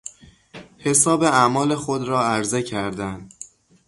حساب اعمال خود را عرضه کردن